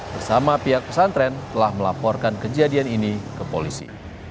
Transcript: bersama pihak pesantren telah melaporkan kejadian ini ke polisi